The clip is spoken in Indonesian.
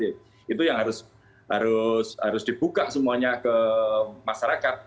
itu yang harus dibuka semuanya ke masyarakat